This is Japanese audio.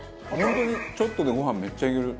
本当にちょっとでご飯めっちゃいける。